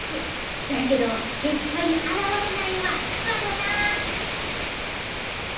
そやけど結果に現れないのはつらいわな。